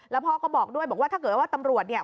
แล้วพ่อก็บอกด้วยบอกว่าถ้าเกิดว่าตำรวจเนี่ย